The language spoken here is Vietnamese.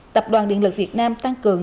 tập đoàn điện lực việt nam tăng cường